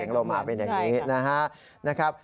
ลงมาเป็นอย่างนี้นะครับ